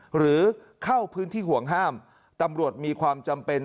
หรือเข้าพื้นที่ห่วงห้ามตำรวจมีความจำเป็น